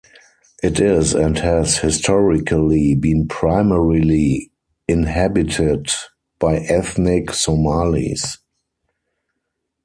It is and has historically been primarily inhabited by ethnic Somalis.